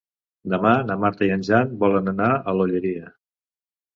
Demà na Marta i en Jan volen anar a l'Olleria.